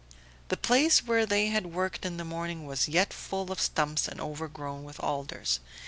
The place where they had worked in the morning was yet full of stumps and overgrown with alders.